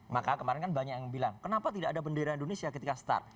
maka kemarin kan banyak yang bilang kenapa tidak ada bendera indonesia ketika start